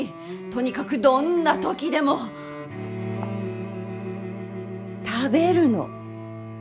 とにかくどんな時でも食べるの。